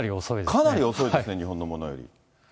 かなり遅いですね、日本のものより。